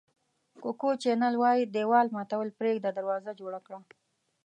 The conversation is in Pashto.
کوکو چینل وایي دېوال ماتول پرېږده دروازه جوړه کړه.